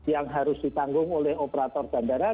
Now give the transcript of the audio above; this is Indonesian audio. yang harus ditanggung oleh operator bandara